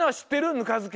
ぬかづけ。